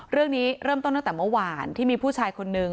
เรื่องนี้เริ่มต้นตั้งแต่เมื่อวานที่มีผู้ชายคนนึง